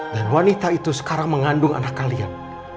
dan wanita itu sekarang mengandung anak kalian